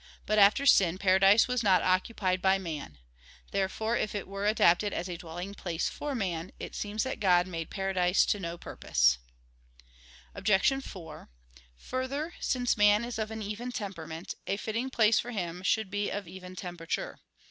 But after sin, paradise was not occupied by man. Therefore if it were adapted as a dwelling place for man, it seems that God made paradise to no purpose. Obj. 4: Further, since man is of an even temperament, a fitting place for him should be of even temperature.